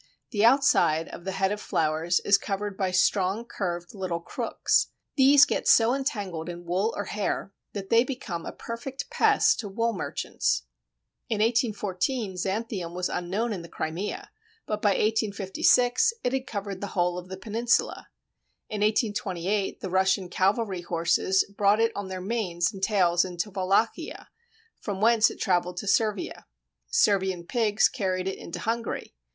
The outside of the head of flowers is covered by strong curved little crooks. These get so entangled in wool or hair that they become a perfect pest to wool merchants. In 1814 Xanthium was unknown in the Crimea, but by 1856 it had covered the whole of the peninsula. In 1828 the Russian cavalry horses brought it on their manes and tails into Wallachia, from whence it travelled to Servia. Servian pigs carried it into Hungary.